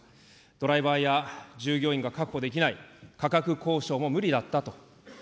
ドライバーや従業員が確保できない、価格交渉も無理だったと。